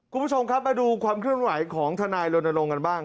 คุณผู้ชมมาดูความเครื่องหวายของธนายนนรกณ์